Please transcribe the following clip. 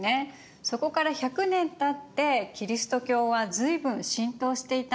そこから１００年たってキリスト教は随分浸透していたんでしょうか？